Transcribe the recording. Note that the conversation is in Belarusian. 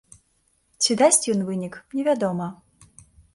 Ці дасць ён вынік, невядома.